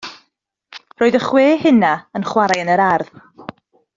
Roedd y chwe hynaf yn chware yn yr ardd.